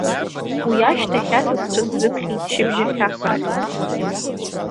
Уи ашьҭахь асасцәа срыԥхьеит шьыбжьхьафарахь.